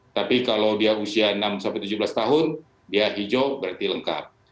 tapi kalau dia usia enam tujuh belas tahun dia hijau berarti lengkap